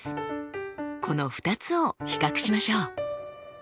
この２つを比較しましょう。